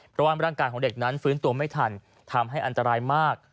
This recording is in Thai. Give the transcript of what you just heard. เพราะว่าร่างกายของเด็กนั้นฟื้นตัวไม่ทันทำให้อันตรายมาก